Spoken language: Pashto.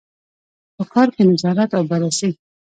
په کار کې نظارت او بررسي.